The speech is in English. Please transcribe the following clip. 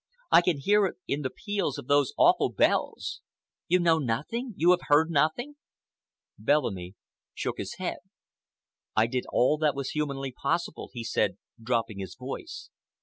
I can hear it in the peals of those awful bells! You know nothing? You have heard nothing?" Bellamy shook his head. "I did all that was humanly possible," he said, dropping his voice.